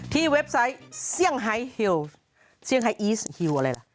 เว็บไซต์เซี่ยงไฮฮิวเซี่ยงไฮอีสฮิวอะไรล่ะ